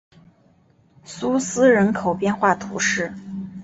苏斯人口变化图示